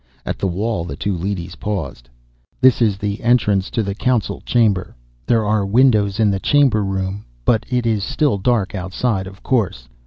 At the wall, the two leadys paused. "This is the entrance to the Council Chamber. There are windows in the Chamber Room, but it is still dark outside, of course.